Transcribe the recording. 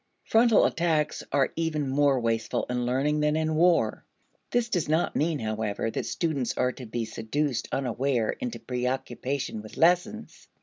Frontal attacks are even more wasteful in learning than in war. This does not mean, however, that students are to be seduced unaware into preoccupation with lessons.